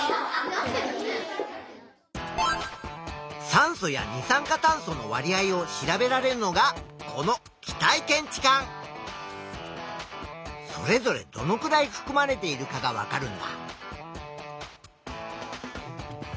酸素や二酸化炭素のわり合を調べられるのがこのそれぞれどのくらいふくまれているかがわかるんだ。